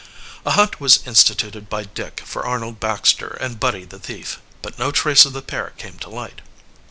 A hunt was instituted by Dick for Arnold Baxter and Buddy the thief, but no trace of the pair came to light.